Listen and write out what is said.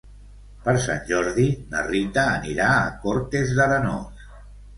Per Sant Jordi na Rita anirà a Cortes d'Arenós.